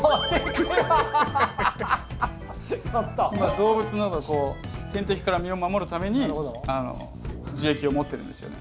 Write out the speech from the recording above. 動物などの天敵から身を守るために樹液を持ってるんですよね。